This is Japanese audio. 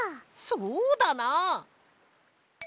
そうだな。